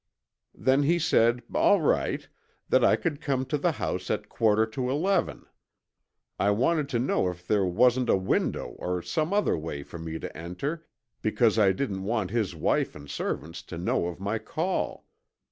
"Then he said all right, that I could come to the house at quarter to eleven. I wanted to know if there wasn't a window or some other way for me to enter, because I didn't want his wife and servants to know of my call.